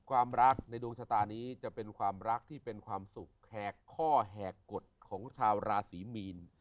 ความรักในดวงชะตานี้จะเป็นความรักที่เป็นความสุขแหกข้อแหกกฎของชาวราศีมีน